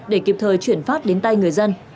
để kịp thời chuyển phát đến tay người dân